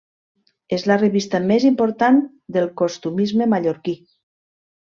És la revista més important del costumisme mallorquí.